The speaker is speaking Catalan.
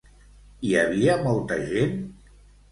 Hi havia molta gent?